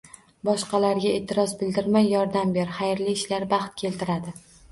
Boshqalarga e’tiroz bildirmay yordam ber, xayrli ishlar baxt keltiradi.